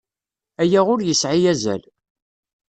Aya ur yesɛi azal.